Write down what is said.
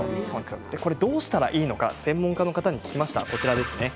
どうしたらいいのか専門家の方に聞きました。